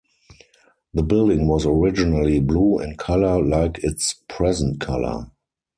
The building was originally blue in color like its present color.